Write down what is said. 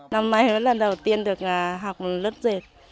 năm nay mới là lần đầu tiên được học lớp dệt